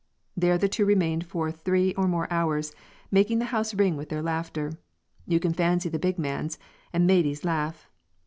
There the two remained for three or more hours, making the house ring with their laughter; you can fancy the big man's and Maidie's laugh.